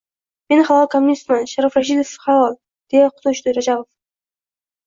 — Men... halol kommunistman, Sharof Rashidovich, halol! — deya quti o‘chdi Rajabov.